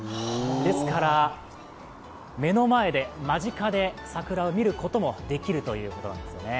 ですから、目の前で間近で桜を見ることもできるということなんですよね。